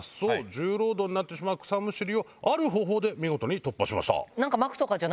重労働になってしまう草むしりをある方法で見事に突破しました。